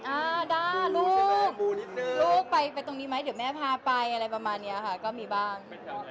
อ่าด้าลูกลูกไปตรงนี้ไหมเดี๋ยวแม่พาไปอะไรประมาณนี้ค่ะก็มีบ้าง